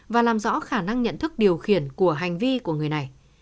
và làm rõ khả năng nhận thức điều khiển của hành vi của người này